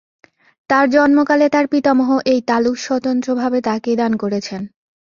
তার জন্মকালে তার পিতামহ এই তালুক স্বতন্ত্র ভাবে তাকেই দান করেছেন।